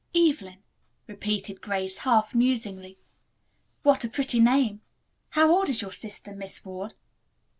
"'Evelyn,'" repeated Grace half musingly. "What a pretty name. How old is your sister, Miss Ward?"